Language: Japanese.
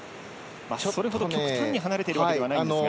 それほど極端に離れているわけじゃないですが。